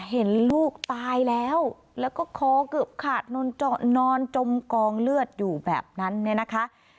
เห็นลูกตายแล้วแล้วก็คอเกือบขาดนอนจมกองเลือดอยู่แบบนั้นเนี่ยนะคะ